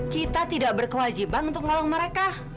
kita tidak berkewajiban untuk nolong mereka